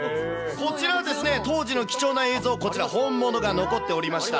こちらですね、当時の貴重な映像、こちら、本物が残っておりました。